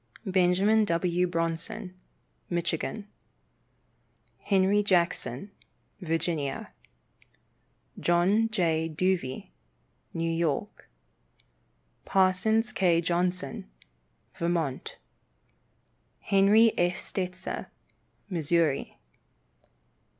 Benjamin W. Bronson, Michigan. Henry Jackson, Virginia. John J. Duvey, New York. Parsons K. Johnson, Vermont. Henry F. Stetzer, Missouri.